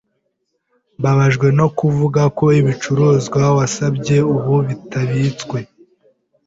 Mbabajwe no kuvuga ko ibicuruzwa wasabye ubu bitabitswe.